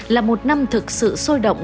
hai nghìn hai mươi ba là một năm thực sự sôi động